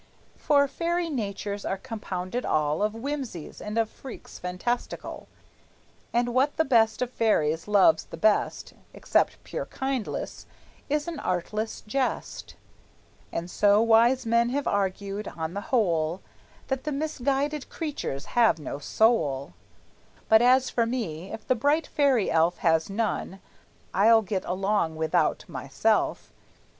For fairy natures are compounded all Of whimsies and of freaks fantastical, And what the best of fairies loves the best (Except pure kindness) is an artless jest. And so wise men have argued, on the whole, That the misguided creatures have no soul; But as for me, if the bright fairy elf Has none, I'll get along without, myself!